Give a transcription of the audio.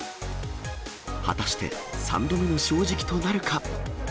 果たして、３度目の正直となるか？